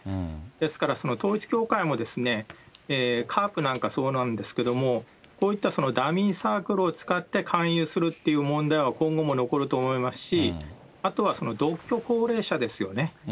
ですからその統一教会もカープなんかそうなんですけれども、こういったダミーサークルを使って勧誘するっていう問題は今後も残ると思いますし、あとは独居高齢者ですよね。